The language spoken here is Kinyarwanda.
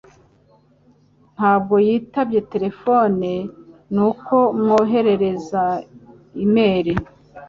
Ntabwo yitabye terefone, nuko mwoherereza imeri.